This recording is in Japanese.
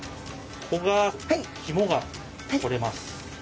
ここが肝が取れます。